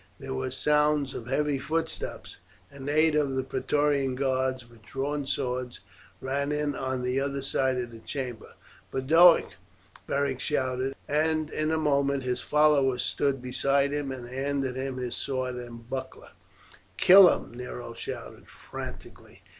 There was a sound of heavy footsteps, and eight of the Praetorian guards, with drawn swords, ran in on the other side of the chamber. "Boduoc!" Beric shouted; and in a moment his follower stood beside him and handed him his sword and buckler. "Kill him!" Nero shouted frantically.